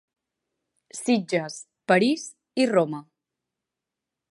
Sitges, París i Roma.